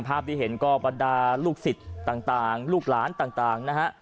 ภาพที่เห็นก็บรรดาลูกศิษย์ต่างลูกหลานต่างนะฮะ